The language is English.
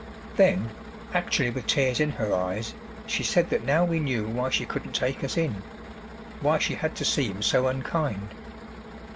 Then, actually with tears in her eyes, she said that now we knew why she couldn't take us in why she had to seem so unkind.